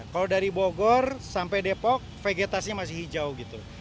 kalau dari bogor sampai depok vegetasinya masih hijau gitu